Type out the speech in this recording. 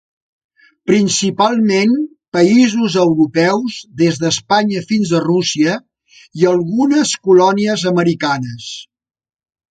Principalment països europeus des d'Espanya fins a Rússia i algunes colònies americanes.